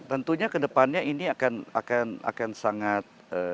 tentunya ke depannya ini akan sangat